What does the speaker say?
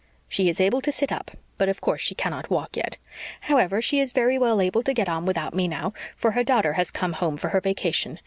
"She is able to sit up, but of course she cannot walk yet. However, she is very well able to get on without me now, for her daughter has come home for her vacation.